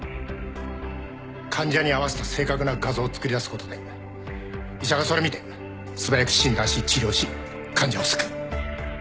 患者に合わせた正確な画像を作り出すことで医者がそれ見て素早く診断し治療し患者を救う